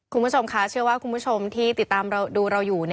คุณผู้ชมคะเชื่อว่าคุณผู้ชมที่ติดตามดูเราอยู่